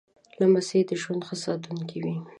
لمسی د ژوند ښه ساتونکی وي.